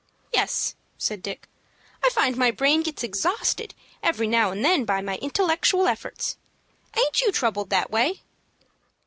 "Yes," said Dick. "I find my brain gets exhausted every now and then by my intellectual efforts. Aint you troubled that way?"